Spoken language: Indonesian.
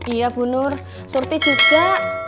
iya bunur surti juga